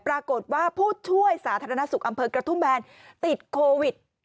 ปรากฏว่าผู้ช่วยสาธารณสุขอำเภอกระทุ่มแบนติดโควิด